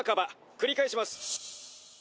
繰り返します。